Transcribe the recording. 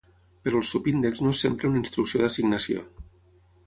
Però el subíndex no és sempre una instrucció d'assignació.